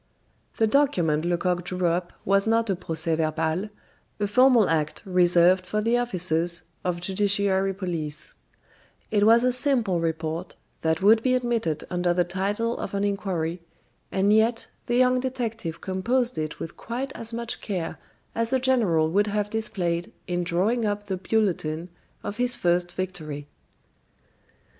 The document Lecoq drew up was not a proces verbal, a formal act reserved for the officers of judiciary police; it was a simple report, that would be admitted under the title of an inquiry, and yet the young detective composed it with quite as much care as a general would have displayed in drawing up the bulletin of his first victory.